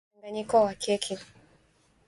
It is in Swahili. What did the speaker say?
weka unga kwenye mchanganyiko wa keki